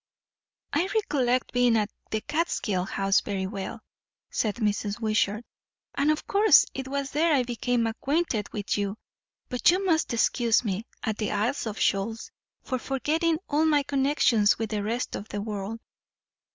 "I recollect being at the Catskill House very well," said Mrs. Wishart, "and of course it was there I became acquain'ted with you; but you must excuse me, at the Isles of Shoals, for forgetting all my connections with the rest of the world."